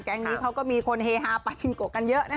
นี้เขาก็มีคนเฮฮาปาชิงโกะกันเยอะนะคะ